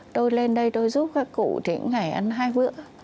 tôi lên đây tôi giúp các cụ thì cũng ngày ăn hai bữa